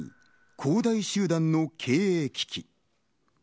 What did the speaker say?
恒大集団の経営危機。